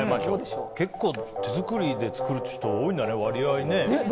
結構手作りで作る人多いんだね。